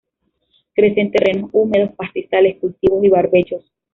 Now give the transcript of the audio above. Crece en terrenos húmedos, pastizales, cultivos y barbechos.